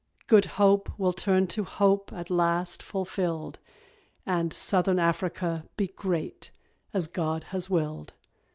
Good Hope will turn to Hope at last fulfilled, And Southern Africa be great as God has willed.